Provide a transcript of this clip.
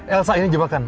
elsa ini jebakan